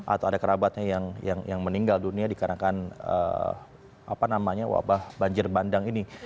atau ada kerabatnya yang meninggal dunia dikarenakan wabah banjir bandang ini